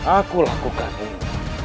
aku lakukan ini